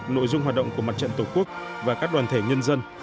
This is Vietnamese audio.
nội dung hoạt động của mặt trận tổ quốc và các đoàn thể nhân dân